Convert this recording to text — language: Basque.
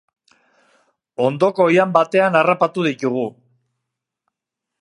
Ondoko oihan batean harrapatu ditugu.